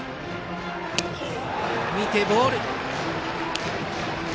見て、ボール。